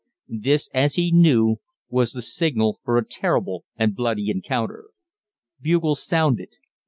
This, as he knew, was the signal for a terrible and bloody encounter. Bugles sounded.